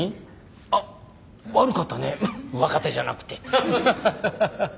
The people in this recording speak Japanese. あっ悪かったね若手じゃなくて。